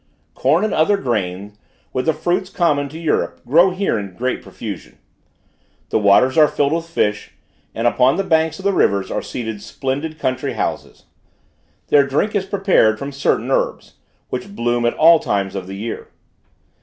Corn and other grain with the fruits common to Europe, grow here in great profusion. The waters are filled with fish, and upon the banks of the rivers are seated splendid country houses. Their drink is prepared from certain herbs, which bloom at all times of the year.